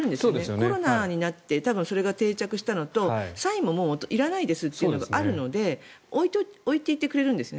コロナになって多分それが定着したのとサインもいらないですというのがあるので置いていってくれるんですね。